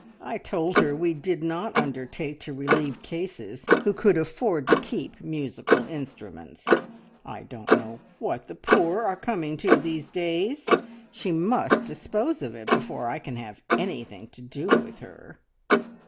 I told her we did not undertake to relieve cases who could afford to keep musical instruments. I don't know what the poor are coming to in these days. She must dispose of it before I can have anything to do with her."